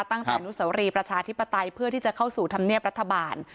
ตั้งแต่อนุสวรีประชาธิปไตยเพื่อที่จะเข้าสู่ธรรมเนียบรัฐบาล